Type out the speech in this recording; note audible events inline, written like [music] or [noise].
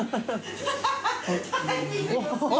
ハハハ [laughs]